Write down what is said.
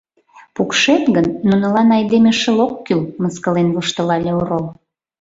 Пукшет гын, нунылан айдеме шыл ок кӱл, — мыскылен воштылале орол.